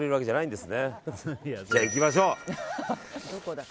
じゃあ、いきましょう。